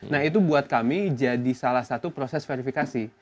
nah itu buat kami jadi salah satu proses verifikasi